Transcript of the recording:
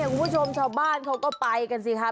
คุณผู้ชมชาวบ้านเขาก็ไปกันสิคะ